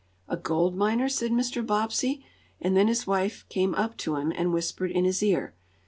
"A gold miner?" said Mr. Bobbsey, and then his wife came up to him, and whispered in his ear.